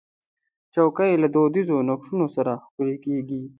چوکۍ له دودیزو نقشو سره ښکليږي.